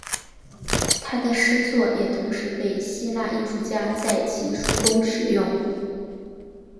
他的诗作也同时被希腊艺术家在其书中使用。